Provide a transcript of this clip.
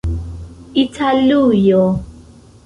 italujo